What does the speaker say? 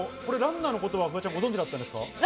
フワちゃん、ランナーのことご存じだったんですか？